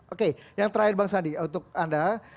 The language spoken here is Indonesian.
oke yang terakhir bang sandi untuk anda